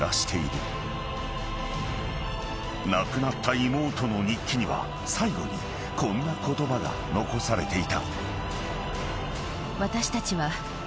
［亡くなった妹の日記には最後にこんな言葉が残されていた］